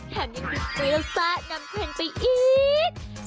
แถมยังคิดไว้แล้วจ้านำเพลงไปอีก